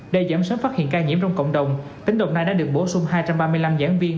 để giảm sớm phát hiện ca nhiễm trong cộng đồng tỉnh đồng nai đã được bổ sung hai trăm ba mươi năm giảng viên